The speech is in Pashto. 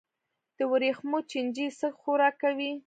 د وریښمو چینجی څه خوراک کوي؟